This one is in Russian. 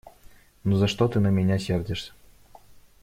Ну за что ты на меня сердишься?